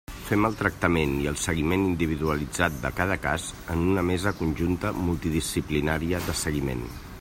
Fem el tractament i el seguiment individualitzat de cada cas en una mesa conjunta multidisciplinària de seguiment.